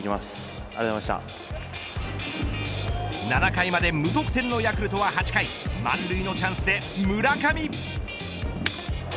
７回まで無得点のヤクルトは８回満塁のチャンスで村上。